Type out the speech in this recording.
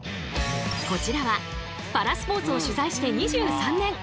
こちらはパラスポーツを取材して２３年。